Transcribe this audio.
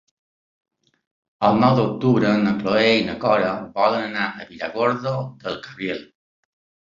El nou d'octubre na Cloè i na Cora volen anar a Villargordo del Cabriel.